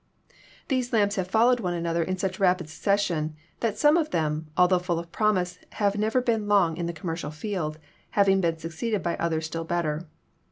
These lamps have followed one another in such rapid succession that some of them, altho full of promise, have never been long in the commercial field, having been succeeded by others still better.